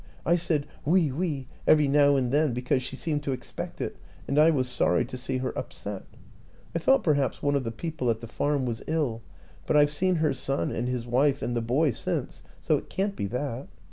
I said, ' Oui, oui,' every now and then, because she seemed to expect it, and I was sorry to see her upset. I thought perhaps one of the people at the farm was ill, but I've seen her son and his wife and the boy since, so it can't be that.